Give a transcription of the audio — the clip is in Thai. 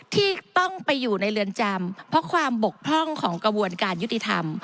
ที่ต้องไปอยู่ในเรือนจำเพราะความบกพร่องของกระบวนการยุติธรรม